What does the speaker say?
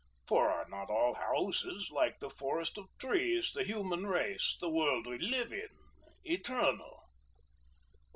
For are not all houses, like the forest of trees, the human race, the world we live in, eternal?"